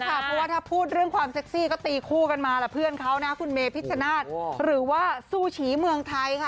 เพราะว่าถ้าพูดเรื่องความเซ็กซี่ก็ตีคู่กันมาแหละเพื่อนเขานะคุณเมพิชชนาธิ์หรือว่าสู้ฉีเมืองไทยค่ะ